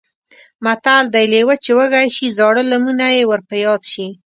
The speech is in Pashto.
متل دی: لېوه چې وږی شي زاړه لمونه یې ور په یاد شي.